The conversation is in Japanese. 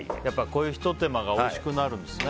こういうひと手間がおいしくなるんですね。